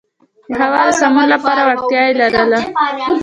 د هوا د سمون لپاره وړتیا یې لرله.